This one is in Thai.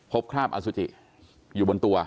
คราบอสุจิอยู่บนตัว